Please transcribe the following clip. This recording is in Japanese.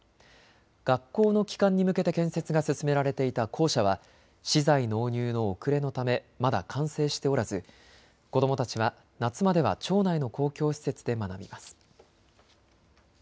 学校の帰還に向けて建設が進められていた校舎は資材納入の遅れのため、まだ完成しておらず子どもたちは夏までは町内の公共施設で学びます。